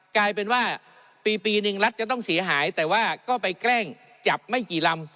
กลายเป็นว่าปีหนึ่งรัฐจะต้องเสียหายแต่ว่าก็ไปแกล้งจับไม่กี่ลำ